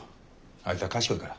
あいつは賢いから。